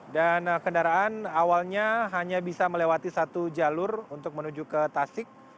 dan kendaraan awalnya hanya bisa melewati satu jalur untuk menuju ke tasik